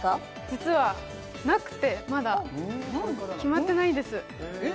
実はなくてまだ決まってないんです